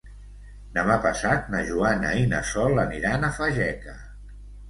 Demà passat na Joana i na Sol aniran a Fageca.